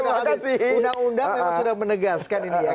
tapi undang undang memang sudah menegaskan ini ya